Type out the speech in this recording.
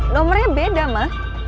nomornya beda ma